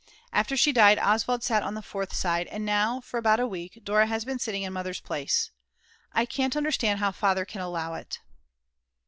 After she died Oswald sat on the fourth side, and now for about a week Dora has been sitting in Mother's place. I can't understand how Father can allow it!